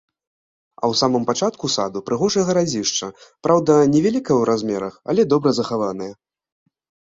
А ў самым пачатку саду прыгожае гарадзішча, праўда, невялікае ў размерах, але добра захаванае.